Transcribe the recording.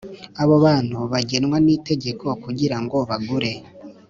abo bantu bagenwa n itegeko kugira ngo bagure